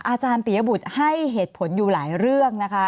อาจารย์ปียบุตรให้เหตุผลอยู่หลายเรื่องนะคะ